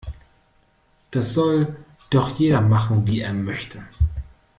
Das soll doch jeder machen, wie er möchte.